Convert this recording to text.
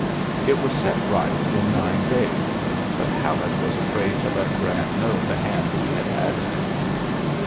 It was set right in nine rs'y but Halleck was afraid to let mt know the hand he had in it.